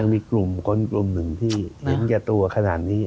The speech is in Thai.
มีกลุ่มคนกลุ่มหนึ่งที่เห็นแก่ตัวขนาดนี้